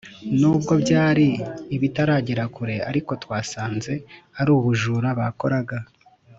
nubwo byari bitaragera kure ariko twasanze ari ubujura bakoraga